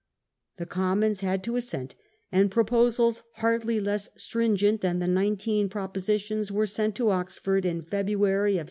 The Commons had ^*^*^^ to assent, and proposals hardly less stringent than the Nineteen Propositions were sent to Oxford in February, 1643.